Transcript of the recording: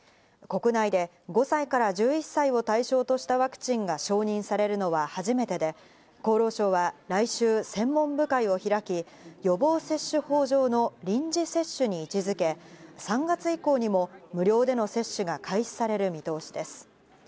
国内で５歳から１１歳を対象としたワクチンが承認されるのは初めてで、厚労省は来週、専門部会を開き、予防接種法上の臨時接種に位置付け、３月以降にも無料での接種が開始される見通しです。